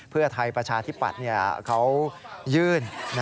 เพื่อไทยประชาธิปัตย์เขายื่น